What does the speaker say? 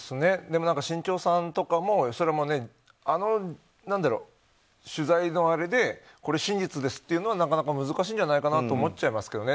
新潮さんとかもあの取材のあれでこれ真実ですというのはなかなか難しいんじゃないかなと思っちゃいますけどね。